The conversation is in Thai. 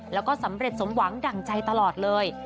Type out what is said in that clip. แล้วก็สำเร็จสมหวังดั่งใจตลอดเลย